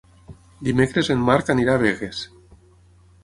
Dimecres en Marc anirà a Begues.